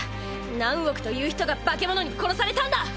何億という人が化け物に殺されたんだ。